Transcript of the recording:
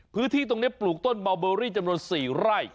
พื้นที่ตรงนี้ปลูกต้นเมาเบอรี่จำนวน๔ไร่